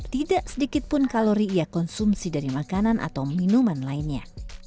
tidak sedikit pun kalori ia konsumsi dari makanan atau minuman lainnya